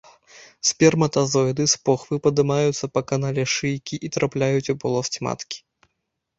Сперматазоіды з похвы падымаюцца па канале шыйкі і трапляюць у поласць маткі.